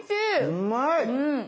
うまいっ！